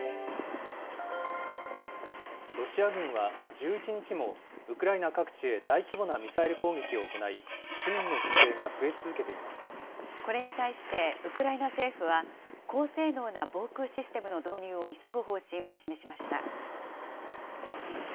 ロシア軍は、１１日もウクライナ各地へ大規模なミサイル攻撃を行い、市民の犠これに対してウクライナ政府は、高性能な防空システムの導入を急ぐ方針を示しました。